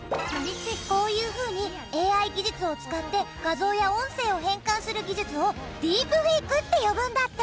こういう風にＡＩ技術を使って画像や音声を変換する技術をディープフェイクって呼ぶんだって。